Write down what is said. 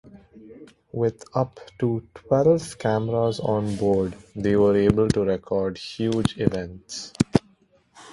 With up to twelve cameras on board they were able to record huge events.